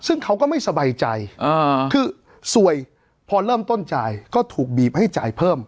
ซึ่งเขาก็ไม่สบายใจคือสวยพอเริ่มต้นจ่ายก็ถูกบีบให้จ่ายเพิ่ม